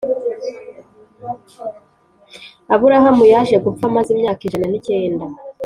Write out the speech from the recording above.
Aburahamu yaje gupfa amaze imyaka ijana n’icyenda